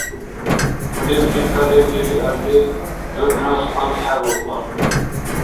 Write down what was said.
Хъулиб жита лебли биалли, дурхӀнас анцӀхӀебулкьан.